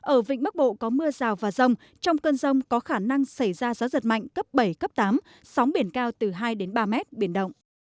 ở vịnh bắc bộ có mưa rào và rông trong cơn rông có khả năng xảy ra gió giật mạnh cấp bảy cấp tám sóng biển cao từ hai ba mét biển động